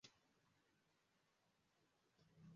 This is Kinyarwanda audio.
Imbwa yumukara ifite ice cream cone mumunwa